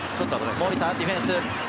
守田ディフェンス。